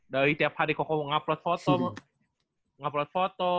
dari tiap hari koko mau upload foto